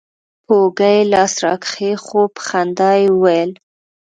پر اوږه يې لاس راكښېښوو په خندا يې وويل.